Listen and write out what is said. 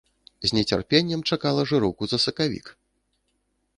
З нецярпеннем чакала жыроўку за сакавік.